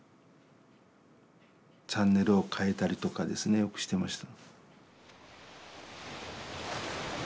チャンネルを替えたりとかですねよくしてました。